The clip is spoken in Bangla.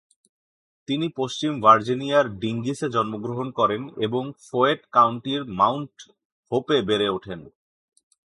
তিনি পশ্চিম ভার্জিনিয়ার ডিঙ্গিসে জন্মগ্রহণ করেন এবং ফেয়েট কাউন্টির মাউন্ট হোপে বেড়ে ওঠেন।